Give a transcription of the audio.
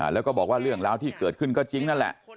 แล้วก็บอกว่าเรื่องราวที่เกิดขึ้นก็จริงนั่นแหละ